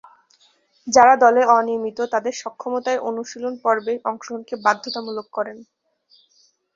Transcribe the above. যারা দলে অনিয়মিত, তাদের সক্ষমতায় অনুশীলন-পর্বে অংশগ্রহণকে বাধ্যতামূলক করেন।